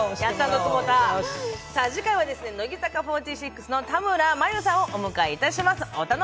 次回は乃木坂４６の田村真佑さんをお迎えいたします。